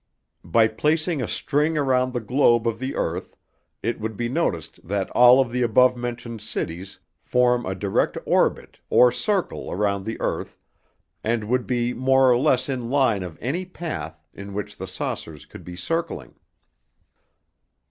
By placing a string around the globe of the earth it would be noticed that all of the above mentioned cities form a direct orbit or circle around the earth and would be more or less in line of any path in which the saucers could be circling.